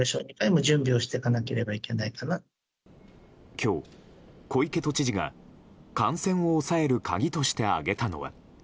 今日、小池都知事が感染を抑える鍵として挙げたのは。